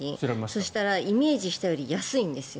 そしたら、イメージしたより安いんですよ。